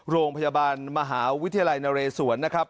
โรงพยาบาลมหาวิทยาลัยนเรศวรนะครับ